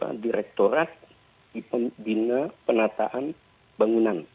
apa direkturat di bina penataan bangunan